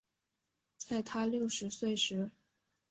在她六十岁时